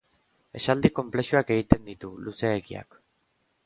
Esaldi konplexuak egiten ditu, luzeegiak.